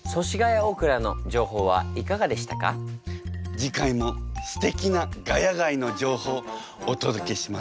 次回もすてきな「ヶ谷街」の情報をお届けします。